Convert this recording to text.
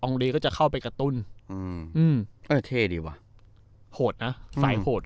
อองรีเดย์ก็จะเข้าไปกระตุ้นอืมอืมก็จะเท่ดีวะโหดนะสายโหด